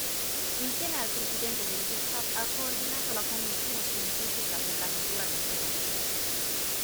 Insieme al Presidente dell’Istat, ha coordinato la "Commissione scientifica per la misura del Benessere".